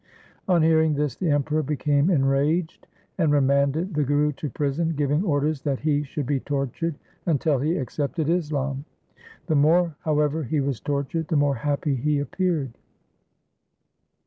On hearing this the Emperor became enraged and remanded the Guru to prison, giving orders that he should be tortured until he accepted Islam. The more, however, he was tortured, the more happy he appeared.